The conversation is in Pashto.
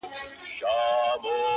لاره د خیبر- د پښتنو د تلو راتللو ده-